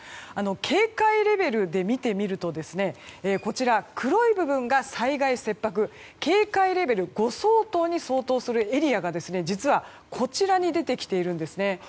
警戒レベルで見てみると黒い部分が災害切迫警戒レベル５に相当するエリアが実はこちらに出てきているんです。